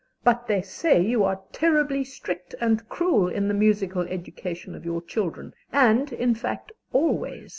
But they say you are terribly strict and cruel in the musical education of your children; and, in fact, always.